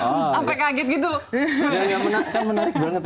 kan menarik banget ya